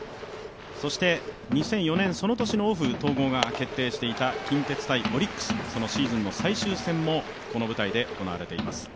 そして２００４年のオフ、統合が決定していました近鉄×オリックス、そのシーズンの最終戦もこの舞台で行われています。